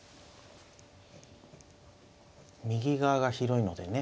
右側が広いのでね